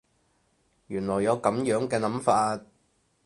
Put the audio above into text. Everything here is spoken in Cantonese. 原來有噉樣嘅諗法